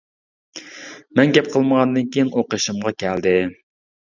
مەن گەپ قىلمىغاندىن كېيىن ئۇ قېشىمغا كەلدى.